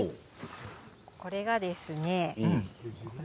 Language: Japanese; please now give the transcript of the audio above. これがですね